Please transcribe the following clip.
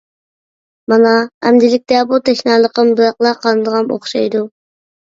مانا ئەمدىلىكتە بۇ تەشنالىقىم بىراقلا قانىدىغان ئوخشايدۇ.